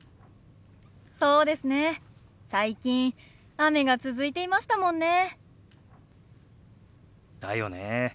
最近雨が続いていましたもんね。だよね。